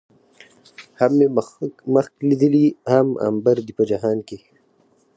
هم مې مښک ليدلي، هم عنبر دي په جهان کې